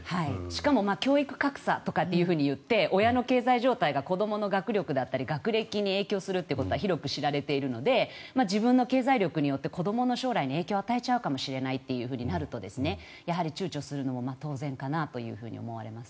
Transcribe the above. しかも教育格差とか言って親の経済状態が子どもの学力だったり学歴に影響することは広く知られているので自分の経済力によって子どもの将来に影響を与えてしまうかもしれないとなるとやはり躊躇するのも当然かなと思われます。